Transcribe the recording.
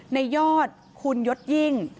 ในยอดคุณยศยิ่ง